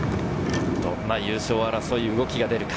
どんな優勝争い、動きが出るか。